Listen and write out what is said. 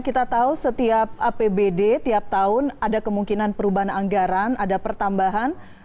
kita tahu setiap apbd tiap tahun ada kemungkinan perubahan anggaran ada pertambahan